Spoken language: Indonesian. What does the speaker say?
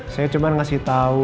saya cuma ngasih tau